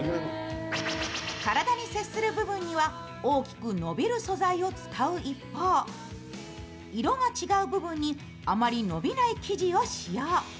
体に接する部分には大きく伸びる素材を使う一方、色が違う部分にあまり伸びない生地を使用。